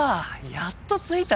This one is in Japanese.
やっと着いた。